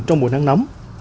trong mùa nắng nóng